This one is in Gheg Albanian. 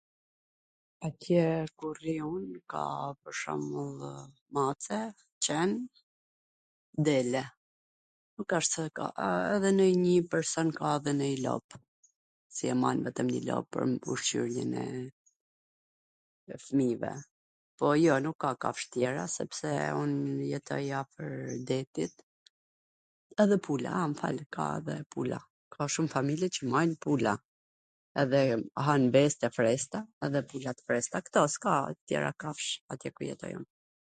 Atje ku rri un ka pwr shwmbullw qen, mace, dele. Nuk asht se ka ... edhe ndonj person ka edhe njw lop, mban edhe njw lop me mbush gjirin e fmijve, po jo, nuk ka kafsh tjera, sepse un jetoj afwr detit... edhe pula, a, mw fal, ka dhe pula, ka shum familje qw majn pula, edhe han vezt e freskta edhe pula t freskta, kto, s ka tjera kafsh atje ku jetoj un.